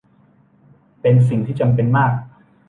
เป็นสิ่งที่จำเป็นมาก